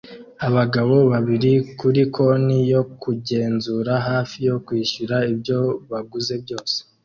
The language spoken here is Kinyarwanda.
Abagabo babiri kuri konti yo kugenzura hafi yo kwishyura ibyo baguze byose